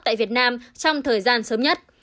tại việt nam trong thời gian sớm nhất